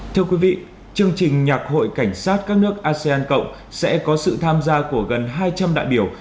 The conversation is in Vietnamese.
thưa quý vị chương trình nhạc hội cảnh sát các nước asean cộng sẽ có sự tham gia của gần hai trăm linh đại biểu